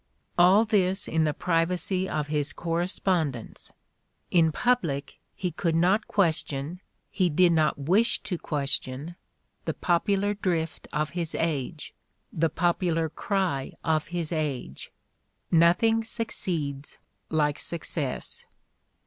All this in the privacy of his correspondence! In public, he could not question, he did not wish to question, the popular drift of his age, the popular cry of his age, "Nothing succeeds like suc cess"!